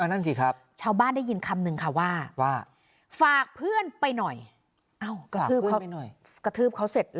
นั่นสิครับ